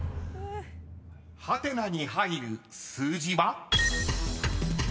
［ハテナに入る数字は？］